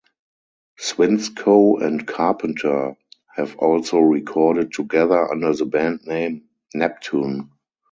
Swinscoe and Carpenter have also recorded together under the band name Neptune.